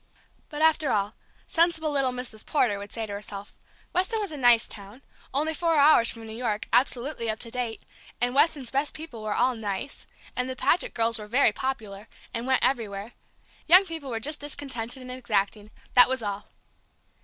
But after all, sensible little Mrs. Porter would say to herself, Weston was a "nice" town, only four hours from New York, absolutely up to date; and Weston's best people were all "nice," and the Paget girls were very popular, and "went everywhere," young people were just discontented and exacting, that was all!